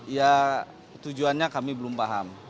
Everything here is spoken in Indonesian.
ya tujuannya kami belum paham